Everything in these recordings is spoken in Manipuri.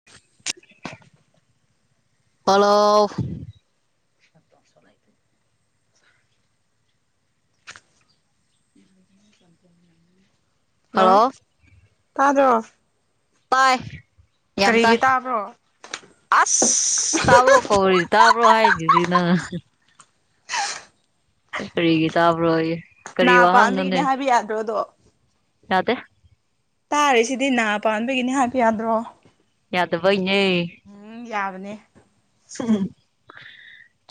[unintelligible] ꯑꯣꯂꯣ ꯁꯂꯥꯏ ꯆꯄ ꯍꯂꯣ ꯍꯜꯂꯣ ꯇꯥꯖ ꯇꯥꯏ ꯌꯥꯝ ꯀꯔꯤꯒꯤ ꯇꯥꯏ ꯇꯥꯕ꯭ꯔꯣ ꯑꯁ ꯇꯥꯕ꯭ꯔꯣ ꯀꯧꯔꯤ ꯇꯥꯕ꯭ꯔꯣ ꯍꯥꯏꯁꯤꯗꯤ ꯅꯪ ꯀꯔꯤꯒꯤ ꯇꯥꯕ꯭ꯔꯣꯏ ꯅꯥ ꯄꯥꯝꯃꯤꯒꯤꯅꯦ ꯍꯥꯏꯕ ꯌꯥꯗ꯭ꯔꯣꯗꯣ ꯌꯥꯗꯦ ꯇꯥꯔꯤꯁꯤꯗꯤ ꯅꯥ ꯄꯥꯟꯕꯒꯤꯅꯤ ꯍꯥꯏꯕ ꯌꯥꯗ꯭ꯔꯣ ꯌꯥꯗꯕꯩꯅꯦ ꯎꯝ ꯌꯥꯕꯅꯦ ꯎ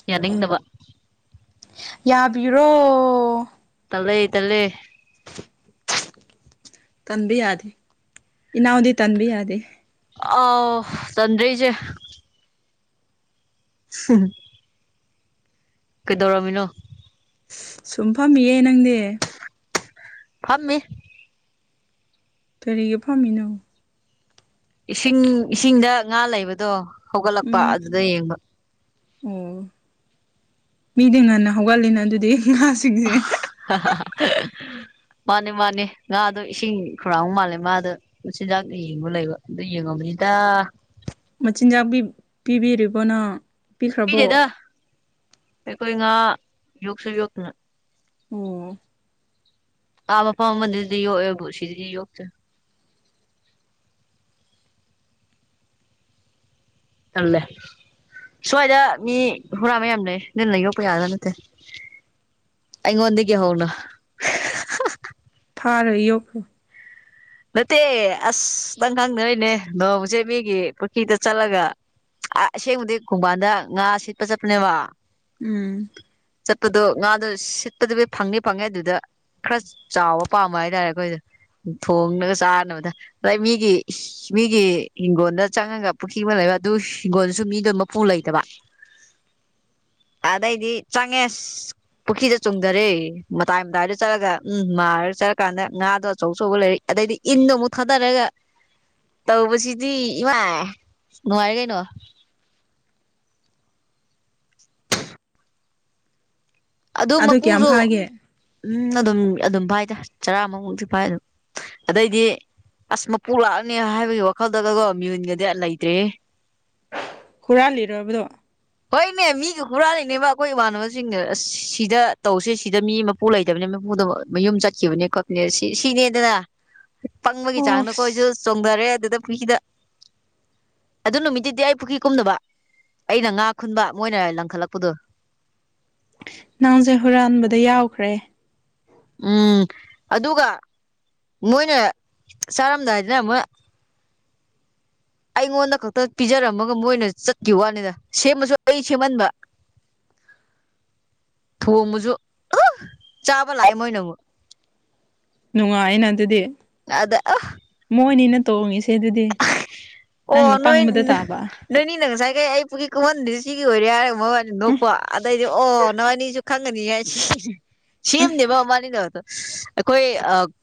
ꯌꯥꯅꯤꯡꯗꯕ ꯌꯥꯕꯤꯔꯣ ꯇꯂꯦ ꯇꯂꯦ ꯇꯟꯕ ꯌꯥꯗꯦ ꯏꯅꯥꯎꯗꯤ ꯇꯟꯕ ꯌꯥꯗꯦ ꯑꯥꯎ ꯆꯟꯗꯔꯤꯁꯦ ꯍꯝ ꯀꯩꯗꯧꯔꯝꯃꯤꯅꯣ ꯁꯨꯝꯐꯝꯝꯃꯤꯌꯦꯦ ꯅꯪꯗꯤꯦ ꯐꯝ ꯀꯔꯤꯒ ꯄꯥꯝꯃꯤꯅꯣ ꯏꯁꯤꯡ ꯏꯁꯤꯡꯗ ꯉꯥ ꯂꯩꯕꯗꯣ ꯍꯧꯒꯠꯂꯛꯄ ꯎꯝ ꯑꯗꯨꯗ ꯌꯦꯡꯕ ꯑꯣ ꯃꯤꯗꯤ ꯉꯟꯅ ꯍꯧꯒꯠꯂꯤꯅ ꯑꯗꯨꯗꯤ ꯉꯥꯁꯤꯡꯁꯦ ꯃꯥꯅꯦ ꯃꯥꯅꯦ ꯉꯥꯗꯣ ꯏꯁꯤꯡ ꯈꯨꯔꯥꯡ ꯃꯥꯜꯂꯦ ꯃꯥꯗꯣ ꯃꯆꯤꯟꯖꯥꯛꯅ ꯌꯦꯡꯕ ꯂꯩꯕ ꯑꯗꯨ ꯌꯦꯡꯉꯕꯅꯤꯗ ꯃꯆꯤꯟꯖꯥꯛꯤ ꯄꯤꯕꯤꯔꯤꯕꯅꯣ ꯄꯤꯗꯦꯗ ꯑꯩꯈꯣꯏ ꯉꯥ ꯌꯣꯛꯁꯨ ꯌꯣꯛꯇꯨꯅ ꯑꯣ ꯀꯥ ꯃꯐꯝ ꯑꯃꯗꯗꯤ ꯌꯣꯛꯑꯦꯕ ꯁꯤꯗꯤ ꯌꯣꯛꯁꯦ ꯑꯂꯦ ꯁ꯭ꯋꯥꯏꯗ ꯃꯤ ꯍꯨꯔꯥ ꯃꯌꯥꯝ ꯂꯩ ꯅꯜꯟꯅ ꯌꯣꯛꯄ ꯌꯥꯒꯗꯥ ꯅꯠꯇꯦ ꯑꯪꯣꯟꯗꯗꯒꯤ ꯍꯎꯅ ꯊꯥꯔ ꯌꯣ ꯅꯠꯇꯦ ꯑꯁꯇꯪ ꯈꯪꯗꯣꯏꯅꯦ ꯅꯣꯡꯎꯁꯦ ꯃꯤꯒꯤ ꯄꯨꯈ꯭ꯔꯤꯗ ꯆꯠꯂꯒ ꯑ ꯑꯁꯦꯡꯕꯗꯤ ꯈꯣꯡꯕꯥꯟꯗ ꯉꯥ ꯁꯤꯠꯄ ꯆꯠꯄꯅꯦꯕ ꯎꯝ ꯆꯠꯄꯗꯣ ꯉꯥꯗꯣ ꯁꯤꯠꯄꯗꯨꯕꯨ ꯐꯪꯅꯤ ꯐꯪꯉꯦ ꯑꯗꯨꯗ ꯈꯔ ꯆꯥꯎꯕ ꯄꯥꯝꯕ ꯍꯥꯏꯇꯥꯔꯦ ꯑꯩꯈꯣꯏꯗꯣ ꯊꯣꯡꯉꯒ ꯆꯥꯅꯕꯗ ꯑꯗꯥꯏ ꯃꯤꯒꯤ ꯃꯤꯒꯤ ꯍꯤꯡꯒꯣꯜꯗ ꯆꯪꯉꯒ ꯄꯨꯈ꯭ꯔꯤ ꯑꯃ ꯂꯩꯕ ꯑꯗꯨ ꯍꯤꯡꯒꯣꯜꯗꯨꯁꯨ ꯃꯤꯗꯣ ꯃꯄꯨ ꯂꯩꯇꯕ ꯑꯗꯩꯗꯤ ꯆꯪꯉꯦ ꯄꯨꯈ꯭ꯔꯤꯗꯦ ꯆꯨꯝꯊꯔꯦ ꯃꯇꯥꯏ ꯃꯇꯥꯏꯗ ꯆꯠꯂꯒ ꯎꯝ ꯃꯥꯔ ꯆꯠꯂꯀꯥꯟꯗ ꯉꯥꯗꯣ ꯑꯆꯧ ꯑꯆꯧꯕ ꯂꯩꯔ ꯑꯗꯩꯗꯤ ꯏꯟꯅ ꯃꯨꯊꯥ ꯇꯔꯒ ꯇꯧꯕꯁꯤꯗꯤ ꯏꯃꯥꯏ ꯅꯨꯡꯉꯥꯏ ꯀꯩꯅꯣ ꯑꯗꯨ ꯑꯗꯣ ꯀꯌꯥꯝ ꯃꯄꯨꯁꯨ ꯐꯥꯒꯦ ꯎꯝ ꯑꯗꯨꯝ ꯑꯗꯨꯝ ꯄꯥꯏꯗ ꯆꯔꯥ ꯃꯨꯝꯁꯨ ꯄꯥꯏ ꯑꯗꯨꯝ ꯑꯗꯩꯗꯤ ꯑꯁ ꯃꯄꯨ ꯂꯥꯛꯑꯅꯤ ꯍꯥꯏꯕꯒꯤ ꯋꯥꯈꯜꯗꯒꯀꯣ ꯃꯤꯑꯣꯟꯒꯗꯤ ꯂꯩꯇ꯭ꯔꯤ ꯍꯨꯔꯥ ꯂꯤꯔꯣꯏꯕꯗꯣ ꯍꯣꯏꯅꯦ ꯃꯤꯒ ꯍꯨꯔꯥ ꯂꯩꯅꯦꯕ ꯑꯩꯈꯣꯏ ꯏꯃꯥꯟꯅꯕꯁꯤꯡꯅꯦ ꯑꯁ ꯁꯤꯗ ꯇꯧꯁꯦ ꯁꯤꯗ ꯃꯤ ꯃꯄꯨ ꯂꯩꯇꯕꯅꯤ ꯃꯄꯨꯗ ꯃꯌꯨꯝ ꯆꯠꯈꯤꯕꯅꯦ ꯈꯣꯠꯄꯅꯦ ꯁꯤ ꯁꯤꯅꯦꯗꯅ ꯄꯪꯕꯒꯤ ꯆꯥꯡꯗ ꯑꯣꯁ ꯑꯩꯈꯣꯏꯁꯨ ꯆꯣꯡꯊꯔꯦ ꯑꯗꯨꯗ ꯄꯨꯗ ꯑꯗꯨ ꯅꯨꯃꯤꯠꯇꯨꯗꯤ ꯑꯩ ꯄꯨꯈ꯭ꯔꯤ ꯀꯨꯝꯗꯕ ꯑꯩꯅ ꯉꯥ ꯈꯨꯟꯕ ꯃꯣꯏꯅ ꯂꯪꯈꯠꯂꯛꯄꯗꯣ ꯅꯪꯁꯦ ꯍꯨꯔꯥꯟꯕꯗ ꯌꯥꯎꯈ꯭ꯔꯦ ꯎꯝ ꯑꯗꯨꯒ ꯃꯣꯏꯅ ꯆꯥꯔꯝꯗꯥꯏꯗꯅ ꯑꯃꯣꯏ ꯑꯩꯉꯣꯟꯗ ꯈꯛꯇ ꯄꯤꯖꯔꯝꯃꯒ ꯃꯣꯏꯅ ꯆꯠꯈꯤꯕ ꯋꯥꯅꯤꯅ ꯁꯦꯝꯃꯁꯨ ꯑꯩ ꯁꯦꯝꯃꯟꯕ [unintelligible] ꯊꯣꯡꯕꯁꯨ ꯆꯥꯕ ꯂꯥꯛꯑꯦ ꯃꯣꯏꯅ ꯑꯃꯨꯛ ꯅꯨꯡꯉꯥꯏꯅ ꯑꯗꯨꯗꯤ ꯑꯗ ꯑ ꯃꯣꯏꯅꯤꯅ ꯇꯣꯡꯉꯤꯁꯦ ꯑꯗꯨꯗꯤ ꯅꯪꯅ ꯑꯣ ꯅꯣꯏ ꯄꯪꯕꯗ ꯇꯥꯕ ꯅꯣꯏꯅꯤ ꯅꯖꯥꯏ ꯀ ꯀꯩ ꯑꯩ ꯄꯨꯒꯤ ꯀꯨꯝꯃꯟꯗꯨꯗꯤ ꯁꯤꯒꯤ ꯑꯣꯏꯔꯦ ꯍꯥꯏꯔꯒ ꯃꯕꯥꯅꯤ ꯅꯣꯛꯄ ꯑꯗꯩꯗꯤ ꯑꯣ ꯅꯕꯥꯅꯤꯁꯨ ꯈꯪꯉꯅꯤꯉꯥꯏꯁꯤ ꯁꯦꯝꯅꯦꯕ ꯃꯥꯅꯤꯗꯕꯗꯣ ꯑꯩꯈꯣꯏ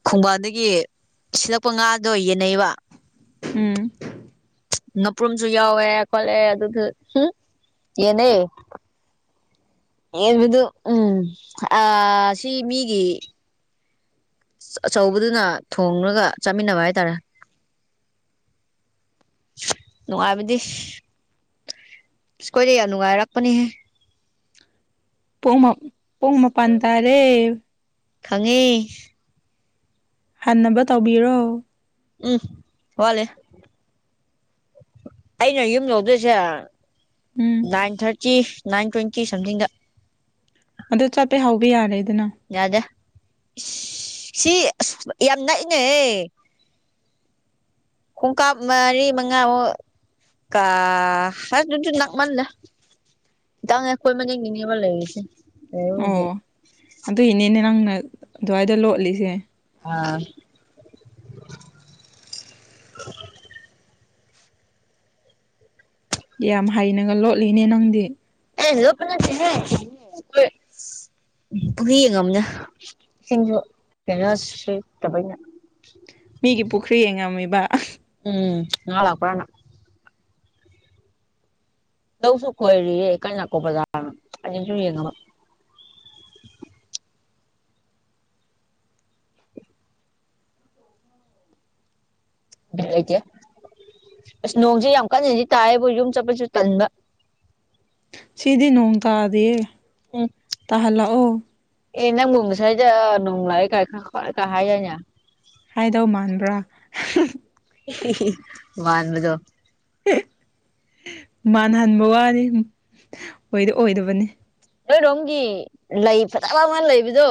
ꯈꯣꯡꯕꯥꯟꯗꯒꯤ ꯁꯤꯂꯛꯄ ꯉꯥꯗꯣ ꯌꯦꯟꯅꯩꯕ ꯎꯝ ꯅꯄ꯭ꯔꯨꯝꯁꯨ ꯌꯥꯎꯋꯦ ꯈꯣꯠꯂꯦ ꯑꯗꯨꯁꯨ ꯌꯦꯟꯅꯩ ꯕꯗꯨ ꯎꯝ ꯑ ꯁꯤ ꯃꯤꯒꯤ ꯑꯆꯧꯕꯗꯨꯅ ꯊꯣꯡꯉꯒ ꯆꯥꯃꯤꯟꯅꯕ ꯍꯥꯏꯇꯥꯔꯦ ꯅꯨꯡꯉꯥꯏꯕꯗꯤ ꯁꯀꯣꯏꯗꯩ ꯌꯥꯝ ꯅꯨꯡꯉꯥꯏꯔꯛꯄꯅꯤꯍꯦ ꯄꯨꯡ ꯄꯨꯡ ꯃꯄꯥꯟ ꯇꯥꯔꯦ ꯈꯪꯉꯤ ꯍꯟꯅꯕ ꯇꯧꯕꯤꯔꯣ ꯎꯝ ꯋꯥꯂꯦ ꯑꯩꯅ ꯌꯨꯝ ꯂꯧꯗꯣꯏꯁꯦ ꯎꯝ ꯅꯥꯏꯟ ꯊꯥꯔꯇꯤ ꯇꯤ ꯅꯥꯏꯟ ꯇ꯭ꯋꯦꯟꯇꯤ ꯁꯝꯊꯤꯡꯗ ꯑꯗ ꯆꯠꯄ ꯍꯥꯎꯕ ꯌꯥꯔꯦꯗꯅ ꯌꯥꯗ ꯁꯤ ꯑꯁ ꯌꯥꯝ ꯅꯛꯏꯅꯦꯍ ꯈꯣꯡꯀꯥꯞ ꯃꯔꯤ ꯃꯉꯥꯃꯨꯛ ꯀ ꯑꯗꯨ ꯑꯗꯨꯗꯨ ꯅꯛꯃꯜꯗ ꯪ ꯑꯦꯈꯣꯏ ꯃꯅꯤ ꯀꯅꯤꯕ ꯂꯩꯦꯦ ꯑꯣ ꯑꯗꯨ ꯏꯅꯦꯅꯦ ꯅꯪꯅ ꯑꯗꯨꯋꯥꯏꯗ ꯂꯣꯠꯂꯤꯁꯦ ꯑꯥ ꯌꯥꯝ ꯍꯩꯅꯒ ꯂꯣꯠꯂꯤꯅꯦ ꯅꯪꯗꯤ ꯑꯦ ꯍꯂꯣ ꯄ ꯄꯨꯔꯤ ꯌꯦꯡꯝꯅ ꯏꯁꯤꯡꯁꯨ ꯀꯔ ꯁꯠꯇꯕꯩꯅ ꯃꯤꯒꯤ ꯄꯨꯈ꯭ꯔꯤ ꯌꯦꯡꯉꯝꯃꯤꯕ ꯎꯝ ꯅꯅꯥ ꯀꯅ ꯂꯧꯁꯨ ꯈꯣꯏꯔꯤ ꯀꯩꯅ ꯅꯅꯥꯀꯣ ꯕꯖꯥꯔꯅ ꯑꯩꯅꯁꯨ ꯌꯦꯡꯉꯕ ꯂꯩꯇꯦ ꯑꯁ ꯅꯣꯡꯁꯦ ꯌꯥꯝ ꯀꯟꯅꯗꯤ ꯇꯥꯏꯑꯦꯕꯨ ꯌꯨꯝ ꯆꯠꯄꯁꯨ ꯇꯟꯕ ꯁꯤꯗꯤ ꯅꯣꯡ ꯇꯥꯗꯌꯦ ꯎꯝ ꯇꯍꯜ ꯂꯥꯛꯑꯣ ꯑꯦ ꯅꯪ ꯃꯁ꯭ꯔꯖ ꯅꯅꯨꯡꯂꯥꯏꯈ ꯀ ꯍꯥꯏ ꯌꯥꯅꯤ ꯍꯥꯏꯗꯧ ꯃꯥꯟꯕ꯭ꯔꯥ ꯋꯥꯕꯨꯗꯣ ꯃꯥꯟꯅꯍꯟꯕ ꯋꯥꯅꯤ ꯑꯣꯏꯗ ꯑꯣꯏꯗꯕꯅꯤ ꯅꯣꯏꯔꯣꯝꯒꯤ ꯂꯩ ꯐꯖꯕ ꯃꯥ ꯂꯩꯕꯗꯣ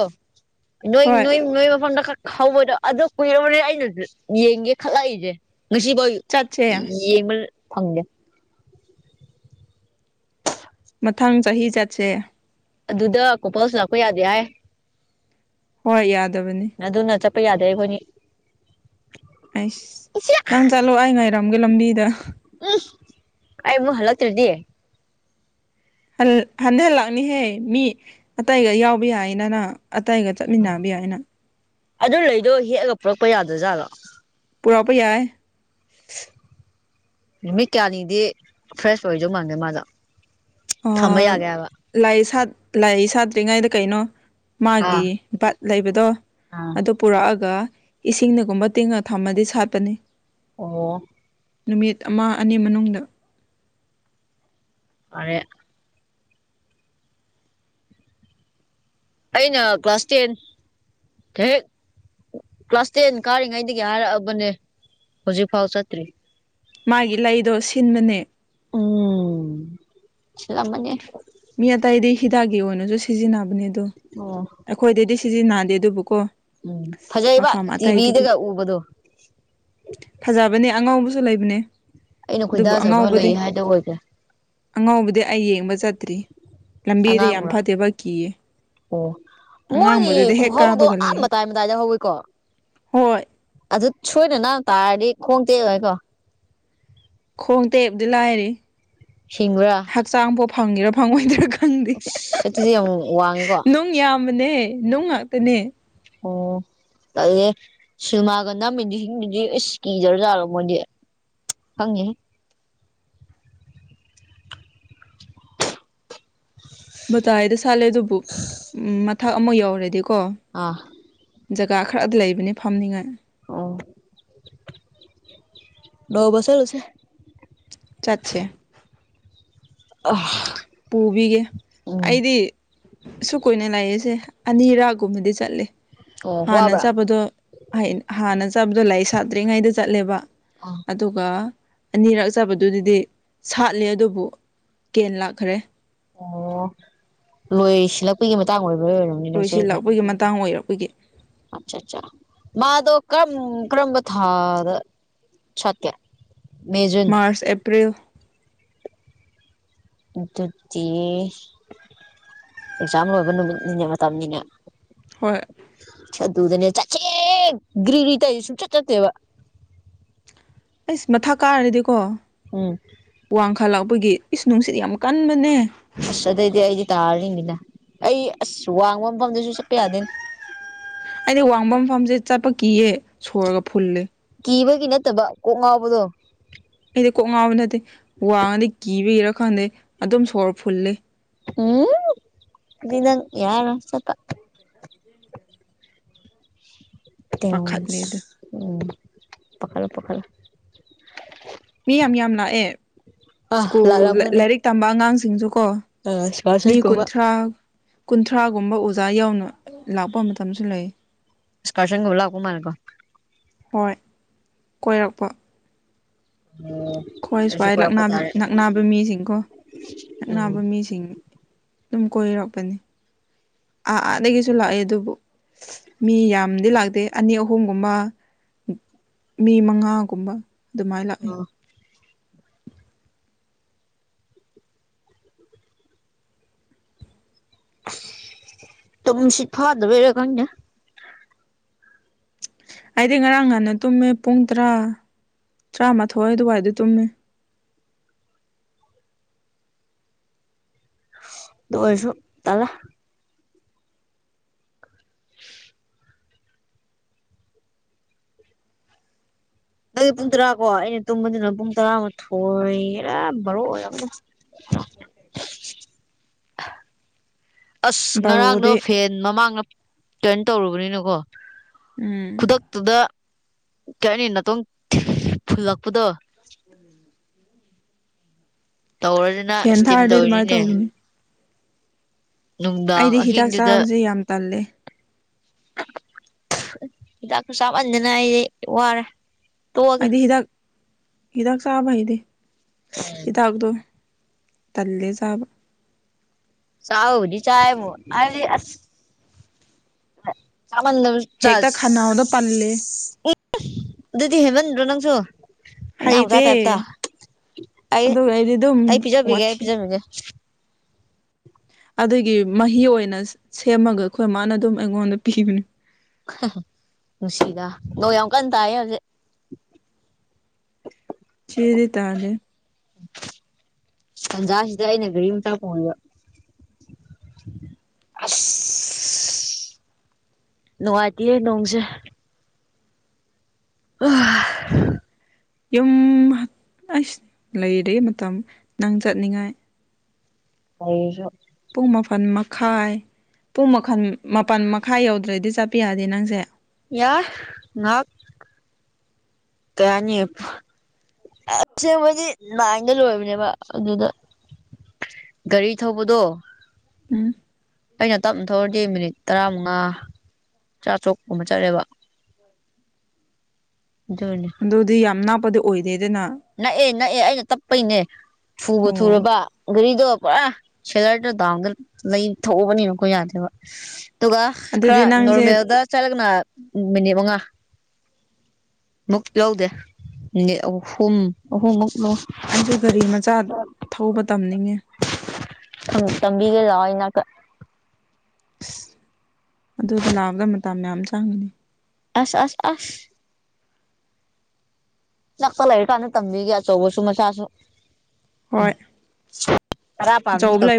ꯅꯣꯏ ꯍꯣꯏ ꯅꯣꯏ ꯅꯣꯏ ꯃꯐꯝꯗꯛ ꯍꯧꯕꯗꯣ ꯑꯗ ꯀꯨꯏꯔꯕꯅꯤ ꯑꯩꯅꯁꯨ ꯌꯦꯡꯒꯦ ꯈꯜꯂꯛꯏꯁꯦ ꯉꯁꯤꯐꯥꯎ ꯆꯆꯦ ꯌꯦꯡꯕꯜ ꯐꯪꯗꯦ ꯃꯊꯪ ꯆꯍꯤ ꯆꯠꯁꯦ ꯑꯗꯨꯗ ꯀꯣꯄꯜꯁꯨ ꯂꯥꯛꯄ ꯌꯥꯗꯦ ꯍꯥꯏ ꯍꯣꯏ ꯌꯥꯗꯕꯅꯤ ꯑꯗꯨꯅ ꯆꯠꯄ ꯌꯥꯗꯦ ꯑꯩꯈꯣꯏꯅꯤ ꯑꯩꯁ ꯏꯆꯦ ꯅꯪ ꯆꯠꯂꯣ ꯑꯩ ꯉꯥꯏꯔꯝꯒꯦ ꯂꯝꯕꯤꯗ ꯎꯝ ꯑꯩꯃ ꯍꯜꯂꯇꯔꯗꯤ ꯍꯟꯊꯍꯜꯂꯛꯅꯤꯍꯦ ꯃꯤ ꯑꯇꯩꯒ ꯌꯥꯎꯕ ꯌꯥꯏꯅꯅ ꯑꯇꯩꯒ ꯆꯠꯃꯤꯟꯅꯕ ꯌꯥꯏ ꯑꯅ ꯑꯗꯨ ꯂꯩꯗꯣ ꯍꯦꯛꯑꯒ ꯄꯨꯔꯛꯄ ꯌꯥꯗ꯭ꯔꯖꯥꯠꯂꯣ ꯄꯨꯔꯛꯄ ꯌꯥꯏ ꯅꯨꯃꯤꯠ ꯀꯌꯥꯅꯤꯗꯤ ꯐ꯭ꯔꯦꯁ ꯑꯣꯏꯗꯧ ꯃꯥꯟꯗꯦ ꯃꯥꯗ ꯂꯥꯏ ꯂꯥꯏ ꯁꯥꯠꯇ꯭ꯔꯤꯉꯩꯗ ꯀꯩꯅꯣ ꯑꯥ ꯃꯥꯒꯤ ꯂꯩꯕꯗꯣ ꯑꯥ ꯑꯗꯨ ꯄꯨꯔꯛꯑꯒ ꯏꯁꯤꯡꯅꯒꯨꯝꯕ ꯇꯤꯡꯉ ꯊꯝꯃꯗꯤ ꯁꯥꯠꯄꯅꯤ ꯑꯣ ꯅꯨꯃꯤꯠ ꯑꯃ ꯑꯅꯤ ꯃꯅꯨꯡꯗ ꯑ ꯑꯩꯅ ꯀ꯭ꯂꯥꯁ ꯇꯦꯟ ꯍ ꯍꯦꯛ ꯀ꯭ꯂꯥꯁ ꯇꯦꯟ ꯀꯥꯔꯤꯉꯩꯗꯒꯤ ꯍꯥꯏꯔꯛꯑꯕꯅꯦ ꯍꯧꯖꯤꯛꯐꯥꯎ ꯆꯠꯇ꯭ꯔꯤ ꯃꯥꯒꯤ ꯂꯩꯗꯣ ꯁꯤꯟꯕꯅꯦ ꯎꯝ ꯁꯤꯂ ꯃꯅꯤ ꯃꯤ ꯑꯇꯇꯩꯗꯤ ꯍꯤꯗꯥꯛꯀꯤ ꯑꯣꯏꯅꯁꯨ ꯁꯤꯖꯤꯟꯅꯕꯅꯦ ꯑꯗꯣ ꯑꯣ ꯑꯩꯈꯣꯏꯗꯗꯤ ꯁꯤꯖꯤ ꯅꯥꯗꯦ ꯑꯗꯨꯕꯨꯀꯣ ꯎꯝ ꯐꯖꯩꯕ ꯃꯐꯝ ꯑꯇꯩꯗꯗꯤ ꯇꯤꯚꯤꯗꯒ ꯎꯕꯗꯣ ꯐꯖꯕꯅꯦ ꯑꯉꯥꯎꯕꯁꯨ ꯂꯩꯕꯅꯦ ꯑꯩꯅ ꯑꯗꯨꯕꯨ ꯈꯣꯏꯗꯥꯖꯕ ꯑꯉꯥꯎꯕꯗꯤ ꯂꯩ ꯍꯥꯏꯗꯣ ꯑꯣꯏꯈ꯭ꯔꯦ ꯑꯉꯥꯎꯕꯗꯤ ꯑꯩ ꯌꯦꯡꯕ ꯆꯠꯇ꯭ꯔꯤ ꯂꯝꯕꯤꯗ ꯌꯥꯝ ꯑꯉꯥꯡꯕ꯭ꯔꯥ ꯐꯠꯇꯦꯕ ꯀꯤꯌꯦ ꯑꯣ ꯃꯣꯏꯒꯤ ꯑꯉꯥꯡꯕꯗꯨꯗꯤ ꯍꯦꯛ ꯈꯨꯍꯧꯗꯣ ꯀꯥꯕꯒ ꯑ ꯂꯩꯌꯦ ꯃꯇꯥꯏ ꯃꯇꯥꯏꯗ ꯍꯧꯋꯏꯀꯣ ꯍꯣꯏ ꯑꯗꯨ ꯁꯣꯏꯗꯅ ꯇꯥꯔꯗꯤ ꯈꯣꯡꯗꯦ ꯑꯗꯨꯥꯏꯀꯣ ꯈꯣꯡ ꯇꯦꯛꯞꯗꯤ ꯂꯥꯏꯔꯤ ꯁꯤꯁꯤꯡꯔꯥ ꯍꯛꯆꯥꯡꯐꯥꯎ ꯐꯪꯉꯦꯔꯥ ꯐꯪꯉꯣꯏꯗꯔꯥ ꯈꯪꯗꯦ ꯑꯁ ꯑꯗꯨꯗꯤ ꯌꯥꯝ ꯋꯥꯡꯉꯤꯀꯣ ꯅꯨꯡ ꯌꯥꯝ ꯅꯦ ꯅꯅꯨꯡ ꯉꯥꯛꯇꯅꯦ ꯑꯣ ꯑꯗꯨ ꯁꯜꯃꯥꯒꯟꯗ ꯃꯗꯤꯁꯤꯡꯗꯨꯗꯤ ꯑꯁ ꯀꯤꯗꯧꯖꯥꯔꯣ ꯃꯣꯏꯗꯤ ꯍꯪꯉꯦ ꯚꯇꯥꯥꯏꯗ ꯁꯥꯠꯂꯦ ꯑꯗꯨꯕꯨ ꯃꯊꯛ ꯑꯃ ꯌꯧꯔꯗꯤꯀꯣ ꯑꯥ ꯖꯒꯥ ꯈꯔꯗꯤ ꯂꯩꯕꯅꯤ ꯐꯝꯅꯤꯉꯥꯏ ꯑꯣ ꯅꯧꯕꯁꯂꯁꯦ ꯆꯠꯁꯦ ꯑ ꯄꯨꯕꯤꯒꯦ ꯎꯝ ꯑꯩꯗꯤ ꯁꯨ ꯀꯣꯏꯏꯅ ꯂꯥꯛꯌꯦꯁꯦ ꯑꯅꯤꯔꯥꯒꯨꯝꯕꯗꯤ ꯆꯠꯂꯦ ꯑꯣ ꯍꯥꯟꯅ ꯋꯥꯕ꯭ꯔꯥ ꯆꯥꯄꯗꯣ ꯍꯥꯟꯅ ꯆꯥꯕꯗꯣ ꯂꯥꯏꯔꯤꯛ ꯁꯥꯠꯇ꯭ꯔꯤꯉꯩꯗ ꯆꯠꯂꯦꯕ ꯑꯥ ꯑꯗꯨꯒ ꯑꯅꯤꯔꯛ ꯆꯥꯕꯗꯨꯗꯗꯤ ꯁꯥꯠꯂꯦ ꯑꯗꯨꯕꯨ ꯀꯦꯟ ꯂꯥꯛꯈꯔꯦ ꯑꯣ ꯂꯣꯏ ꯁꯤꯜꯂꯛꯄꯒꯤ ꯃꯇꯥꯡ ꯑꯣꯏꯕ꯭ꯔ ꯑꯣꯏꯔꯕꯝꯅꯦ ꯂꯣꯏꯁꯤꯜꯂꯛꯄꯒꯤ ꯃꯇꯥꯡ ꯑꯣꯏꯔꯛ ꯑꯩꯄꯣꯏꯒꯤ ꯑꯆꯥꯆꯥ ꯃꯥꯗꯧ ꯀ꯭ꯔꯝ ꯀ꯭ꯔꯝ ꯄ ꯊꯥꯗ ꯆꯇ ꯃꯥꯔꯆ ꯑꯦꯄ꯭ꯜ ꯇ ꯑꯦꯛꯖꯥꯝ ꯂꯣꯏꯕ ꯅꯨꯃꯤꯠꯅꯤꯅꯦ ꯃꯇꯝꯅꯤꯅꯦ ꯍꯣꯏ ꯑꯗꯨꯗꯅꯦ ꯆꯠꯀꯦ ꯒ꯭ꯔꯤꯔꯤ ꯇ ꯁꯨꯡꯆꯠ ꯆꯠꯇꯦꯕ ꯑꯩꯁ ꯃꯊꯥ ꯀꯥꯔꯗꯤꯀꯣ ꯎꯝ ꯋꯥꯡꯈꯥꯂꯛꯄꯒꯤ ꯏꯁ ꯅꯨꯡꯁꯤꯠꯗꯤ ꯌꯥꯝ ꯀꯟꯕꯅꯦ ꯑꯁ ꯑꯗꯩꯗꯤ ꯑꯩꯗꯤ ꯇꯥꯔꯤꯅꯤꯅ ꯑꯩ ꯑꯁ ꯋꯥꯡꯕ ꯃꯐꯝꯗꯁꯨ ꯆꯠꯄ ꯌꯥꯗꯦꯅꯦ ꯑꯩꯗꯤ ꯋꯥꯡꯕ ꯃꯐꯝꯁꯦ ꯆꯠꯄ ꯀꯤꯌꯦ ꯁꯣꯔꯒ ꯐꯨꯜꯂꯦ ꯀꯤꯕꯒꯤ ꯅꯠꯇꯕ ꯀꯣꯛ ꯉꯥꯎꯕꯗꯣ ꯑꯩꯗꯤ ꯀꯣꯛ ꯉꯥꯎꯕ ꯅꯠꯇꯦ ꯋꯥꯉꯗꯤ ꯀꯤꯕ ꯀꯔꯥ ꯈꯪꯗꯦ ꯑꯗꯨꯝ ꯁꯣꯔ ꯐꯨꯜꯂꯤꯦ ꯎꯝ ꯏꯗꯪ ꯌꯥꯔ ꯆꯄ ꯁꯤ [inaudible] ꯇ ꯄꯥꯈꯠꯂꯦ ꯑꯗꯨ ꯎꯝ ꯄꯥꯈꯥꯂ ꯄꯥꯈꯥꯂ ꯃꯤ ꯌꯥꯝ ꯌꯥꯝ ꯂꯥꯛꯑꯦ ꯑ ꯁ꯭ꯀꯨꯜ ꯂꯥꯛꯂꯝꯒꯅꯤ ꯂꯥꯏꯔꯤꯛ ꯇꯝꯕ ꯑꯉꯥꯡꯁꯤꯡꯁꯨ ꯀꯣ ꯑ ꯃꯤ ꯁ꯭ꯋꯥꯁꯟꯒꯨꯝꯕ ꯀꯨꯟꯊ꯭ꯔꯥ ꯀꯨꯟꯊ꯭ꯔꯥꯒꯨꯝꯕ ꯑꯣꯖꯥ ꯌꯥꯎꯅ ꯂꯥꯛꯄ ꯃꯇꯝꯁꯨ ꯂꯩ ꯏꯁꯀꯔꯁꯪꯒꯤꯂꯥꯛꯀꯨꯝ ꯃꯥꯔꯀꯣ ꯍꯣꯏ ꯀꯣꯏꯔꯛꯄ ꯑꯣꯝ ꯈꯣꯏ ꯁ꯭ꯋꯥꯏꯛ ꯅꯛꯅꯕ ꯃꯤꯁꯤꯡꯀꯣ ꯎꯝ ꯅꯛꯅꯕ ꯃꯤꯁꯤꯡ ꯑꯗꯨꯝ ꯀꯣꯏꯔꯛꯄꯅꯤ ꯑꯥ ꯑꯥꯗꯒꯤꯁꯨ ꯂꯥꯛꯑꯦ ꯑꯗꯨꯕꯨ ꯃꯤ ꯌꯥꯝꯗꯤ ꯂꯥꯛꯇꯦ ꯑꯅꯤ ꯑꯍꯨꯝꯒꯨꯝꯕ ꯃꯤ ꯃꯉꯥꯒꯨꯝꯕ ꯑꯗꯨꯃꯥꯏꯅ ꯂꯥꯛꯑꯦ ꯑꯣ ꯇꯃꯁꯤꯠ ꯐꯥꯗꯕꯔ ꯀꯪꯗ ꯑꯩꯗꯤ ꯉꯔꯥꯡ ꯉꯍꯥꯟꯟꯅ ꯇꯨꯝꯃꯦ ꯄꯨꯡ ꯇꯔꯥ ꯇꯔꯥꯃꯥꯊꯣꯏ ꯑꯗꯨꯋꯥꯏꯗ ꯇꯨꯝꯃꯦ ꯑꯗꯨ ꯑꯣꯏꯁꯨ ꯇꯂ ꯅꯪꯒꯤ ꯄꯨꯡ ꯇꯔꯥ ꯀꯣ ꯑꯩꯅ ꯇꯨꯝꯕꯗꯨꯅ ꯄꯨꯡ ꯇꯔꯥꯃꯊꯣꯏ ꯌꯥꯝꯔ ꯕꯥꯨ ꯑꯣꯏꯔ ꯑ ꯣꯦꯗ ꯑꯁ ꯉꯔꯥꯡꯗꯣ ꯕꯥꯔꯣꯗꯤ ꯐꯦꯟ ꯃꯃꯥꯡꯗ ꯇꯔꯟ ꯇꯧꯔꯨꯕꯅꯤꯅꯀꯣ ꯎꯝ ꯈꯨꯗꯛꯇꯨꯗ ꯆꯠꯅꯤ ꯇꯣꯡ ꯐꯨꯜꯂꯛꯄꯗꯣ ꯇꯧꯔꯗꯅ ꯐꯦꯟ ꯏꯁꯇꯤꯝ ꯊꯥꯔꯣꯏ ꯑꯗꯨꯃꯥꯏꯅ ꯇꯧꯔꯤꯅꯤꯅꯦ ꯇꯧꯕꯧꯕꯅꯤ ꯅꯨꯡꯗꯥꯡ ꯑꯩꯗꯤ ꯍꯤꯗꯥꯛ ꯑꯍꯤꯡꯗꯨꯗ ꯆꯥꯕꯁꯦ ꯌꯥꯝ ꯇꯜꯂꯦ ꯍꯤꯗꯥꯛꯁꯨ ꯆꯥꯍꯟꯗꯅ ꯑꯩꯗꯤ ꯋꯥꯔꯦ ꯇꯣꯛꯑꯒꯦ ꯍꯥꯏꯗꯤ ꯍꯤꯗꯥꯛ ꯍꯤꯗꯥꯛ ꯆꯥꯕ ꯍꯥꯏꯗꯤ ꯍꯤꯗꯥꯛꯇꯣ ꯇꯜꯂꯦꯖꯕ ꯆꯥꯎ ꯍꯧꯗꯤ ꯆꯥꯏꯕ ꯍꯥꯏꯗꯤ ꯆꯃꯗ ꯍꯦꯛꯇ ꯈꯅꯥꯎꯗ ꯄꯜꯂꯦ ꯆꯥꯁ ꯑꯗꯨꯤꯗꯤ ꯍꯦꯃꯦꯟ ꯔꯣꯅꯥꯪꯁꯣ ꯑꯉꯥꯡ ꯃꯆꯥ ꯍꯩꯇꯦ ꯇꯥꯏꯞꯇ ꯑꯩ ꯑꯗꯨꯒ ꯑꯩꯗꯤ ꯑꯗꯨꯝ ꯑꯩ ꯄꯤꯖꯕꯤꯒꯦ ꯑꯩ ꯋꯥꯊꯤ ꯄꯤꯖꯕꯤꯒꯦ ꯑꯗꯨꯒꯤ ꯃꯍꯤ ꯑꯣꯏꯅ ꯁꯦꯝꯃꯒ ꯑꯩꯈꯣꯏ ꯃꯥꯅ ꯑꯗꯨꯝ ꯑꯩꯉꯣꯟꯗ ꯄꯤꯕꯅꯤ ꯅꯨꯡꯁꯤꯗ ꯅꯣꯡ ꯌꯥꯝ ꯀꯟꯅ ꯇꯥꯏ ꯍꯧꯖꯤꯛ ꯁꯤꯔꯤ ꯇꯥꯔꯦ ꯇꯟꯖꯥꯁꯤꯗ ꯑꯩꯅ ꯒꯥꯔꯤ ꯑꯃꯝꯇ ꯄꯣꯡꯉꯕ ꯑꯁ ꯅꯨꯡꯉꯥꯏꯇꯦ ꯅꯣꯡꯁꯦ ꯎ ꯌꯨꯝꯁ ꯂꯩꯩ ꯃꯇꯝ ꯅꯪ ꯆꯠꯅꯤꯡꯉꯥꯏ ꯀꯩꯁꯨ ꯄꯨꯡ ꯃꯥꯄꯜ ꯃꯈꯥꯏ ꯄꯨꯡ ꯃꯈꯜ ꯃꯥꯄꯜ ꯃꯈꯥꯏ ꯌꯧꯗ꯭ꯔꯗꯤ ꯆꯠꯄꯤ ꯌꯥꯗꯦ ꯅꯪꯁꯦ ꯌꯥ ꯉꯥꯛ ꯇꯅꯤ ꯑꯁꯦꯡꯕꯗꯤ ꯂꯥꯏꯟꯗ ꯂꯣꯏꯕꯅꯦꯕ ꯑꯗꯨꯗ ꯒꯥꯔꯤ ꯊꯧꯕꯗꯣ ꯎꯝ ꯑꯩꯅ ꯇꯞꯅ ꯊꯧꯔꯗꯤ ꯃꯤꯅꯤꯠ ꯇꯔꯥꯃꯉꯥ ꯆꯥꯇ꯭ꯔꯨꯛꯀꯨꯝꯕ ꯆꯠꯂꯦꯕ ꯍꯣꯏ ꯑꯗꯨꯅꯤ ꯑꯗꯨꯗꯤ ꯌꯥꯝ ꯅꯥꯞꯄꯗꯤ ꯑꯣꯏꯗꯦꯗꯅ ꯅꯛꯑꯦ ꯅꯛꯑꯦ ꯑꯩꯅ ꯇꯞꯄꯩꯅꯦ ꯊꯨꯕ ꯑꯣ ꯊꯨꯔꯕ ꯒꯥꯔꯤꯗꯣ ꯄꯨꯔꯥ ꯁꯦꯂꯔꯗ ꯗꯥꯝꯗ ꯂꯩ ꯊꯎꯕꯅꯤꯅꯀꯣ ꯌꯥꯗꯦꯕ ꯑꯗꯨꯒ ꯈꯔ ꯑꯗꯨꯗꯤ ꯅꯪꯁꯦ ꯅꯣꯔꯃꯦꯜꯗ ꯆꯠꯂꯒꯅ ꯃꯤꯅꯤꯠ ꯃꯉꯥ ꯃꯨꯛ ꯂꯧꯗꯦ ꯃꯤꯅꯤꯠ ꯑꯍꯨꯝ ꯑꯍꯨꯝ ꯑꯍꯨꯝꯃꯨꯛꯅ ꯑꯩꯁꯨ ꯒꯥꯔꯤ ꯃꯆꯥ ꯊꯧꯕ ꯇꯝꯅꯤꯡꯉꯦ ꯇꯝꯕꯤꯒꯦ ꯂꯥꯛꯑꯣ ꯑꯩꯅ ꯑꯁ ꯑꯗꯨꯗ ꯂꯥꯛꯑꯄꯗ ꯃꯇꯝ ꯌꯥꯝꯌꯥꯝ ꯆꯪꯒꯅꯤ ꯑꯁ ꯑ ꯑꯁ ꯂꯛꯄ ꯂꯩꯔꯤꯛ ꯀꯥꯟꯗ ꯇꯝꯕꯤꯒꯦ ꯑꯆꯧꯕꯁꯨ ꯃꯆꯥꯁꯨ ꯎ ꯍꯣꯏ ꯈꯔꯥ ꯄꯥꯝꯅ ꯑꯆꯧꯕ ꯇꯧ ꯂꯩ